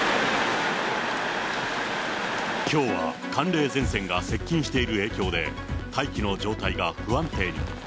きょうは寒冷前線が接近している影響で、大気の状態が不安定に。